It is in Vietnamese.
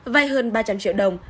vài hơn ba trăm linh triệu đồng